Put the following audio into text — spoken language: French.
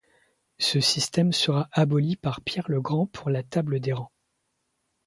Ce système sera aboli par Pierre le Grand pour la Table des Rangs.